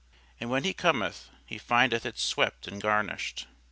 And when he cometh, he findeth it swept and garnished.